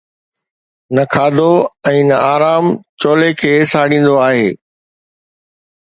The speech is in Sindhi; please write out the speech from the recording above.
نه کاڌو ۽ نه آرام چولي کي ساڙيندو.